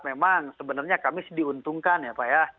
memang sebenarnya kami sediuntungkan ya pak ya